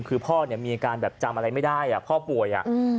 คือพ่อเนี่ยมีอาการแบบจำอะไรไม่ได้พ่อป่วย